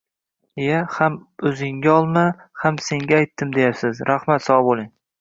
Iya, ham o‘zinga olma, ham senga aytdim deyapsiz, rahmat, sog‘ bo‘ling!